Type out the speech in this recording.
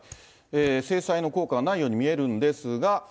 制裁の効果がないように見えるんですが。